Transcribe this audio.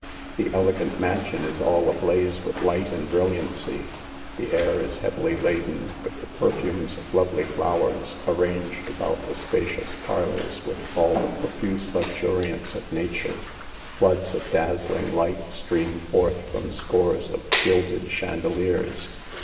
The elegant mansion is all ablaze with ligtifc and brilliancy. The air is heavily laden with the perfumes of lovely flowers, arranged about the spacious parlors with all the profuse lux uriance of nature. Floods of dazzling lignt stream forth from scores of gilded chandeliers.